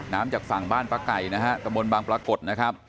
น้ำจากฝั่งบ้านปลาไก่นะครับตมนต์บางประกฎนะครับ